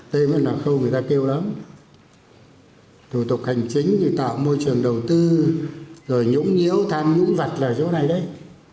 thủ tục hành chính như tạo môi trường đầu tư nhũng nhiếu tham nhũng vặt là chỗ này đấy